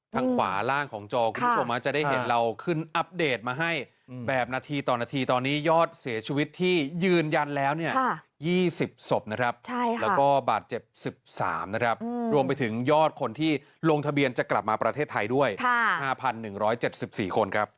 ทางขวาล่างของจอคุณผู้ชมจะได้เห็นเราขึ้นอัปเดตมาให้แบบนาทีต่อนาทีตอนนี้ยอดเสียชีวิตที่ยืนยันแล้วเนี่ย๒๐ศพนะครับแล้วก็บาดเจ็บ๑๓นะครับรวมไปถึงยอดคนที่ลงทะเบียนจะกลับมาประเทศไทยด้วย๕๑๗๔คนครับ